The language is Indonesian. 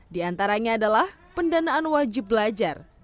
di antaranya adalah pendanaan wajib belajar